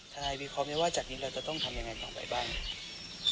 ทนายพี่ขอมีว่าจากนี้เราจะต้องทำยังไงต่อไปบ้าง